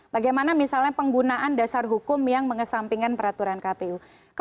bagaimana misalnya penggunaan dasar hukum yang mengesampingkan peraturan kpu